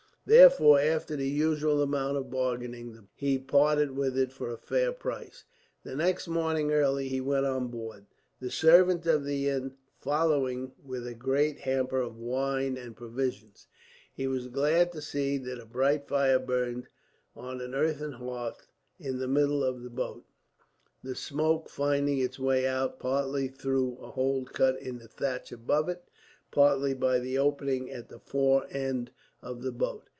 Therefore, after the usual amount of bargaining, he parted with it for a fair price. The next morning early he went on board, the servant of the inn following with a great hamper of wine and provisions. He was glad to see that a bright fire burned on an earthen hearth in the middle of the boat; the smoke finding its way out, partly through a hole cut in the thatch above it, partly by the opening at the fore end of the boat.